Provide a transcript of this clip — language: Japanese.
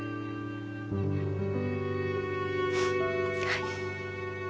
はい。